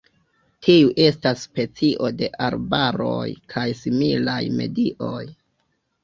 Tiu estas specio de arbaroj kaj similaj medioj.